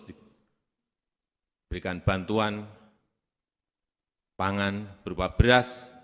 diberikan bantuan pangan berupa beras